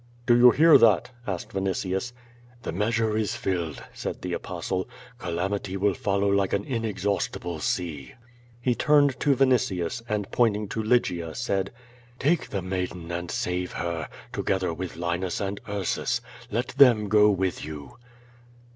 "Do you hear that?" asked Vinitius. "The measure is filled," said the Apostle. "Calamity will follow like an inexhaustible sea." He turned to Vinitius, and, pointing to Lygia, said: ^Take the maiden and save her, together with Linus and Ursus. Let them go with you."